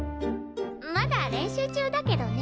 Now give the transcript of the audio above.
まだ練習中だけどね。